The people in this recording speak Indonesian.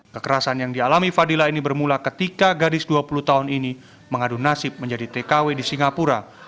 kekerasan yang dialami fadila ini bermula ketika gadis dua puluh tahun ini mengadu nasib menjadi tkw di singapura